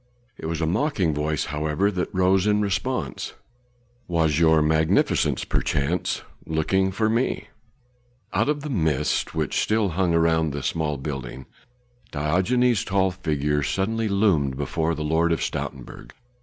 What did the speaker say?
It was a mocking voice, however, that rose in response: "Was your Magnificence perchance looking for me?" Out of the mist which still hung round the small building Diogenes' tall figure suddenly loomed before the Lord of Stoutenburg.